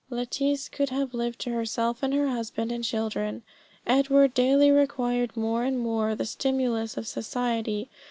Lettice could have lived to herself and her husband and children. Edward daily required more and more the stimulus of society.